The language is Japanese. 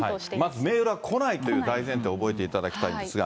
まずメールは来ないという大前提、覚えていただきたいんですが。